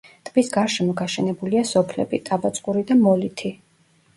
ტბის გარშემო გაშენებულია სოფლები ტაბაწყური და მოლითი.